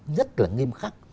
rất là nghiêm khắc